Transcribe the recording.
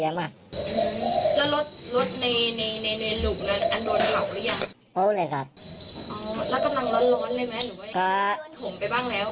อ๋อแล้วกำลังล๊อตล้อนด้วยไหมหรือก็โลนผมไปบ้างแล้ว